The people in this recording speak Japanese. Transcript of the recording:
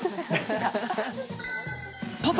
パパ！